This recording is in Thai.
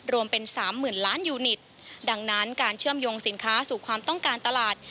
รวมเป็นสามหมื่นล้านยูนิตดังนั้นการเชื่อมโยงสินค้าสู่ความต้องการตลาด